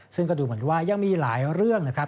ซึ่งก็ดูเหมือนว่ายังมีหลายเรื่องนะครับ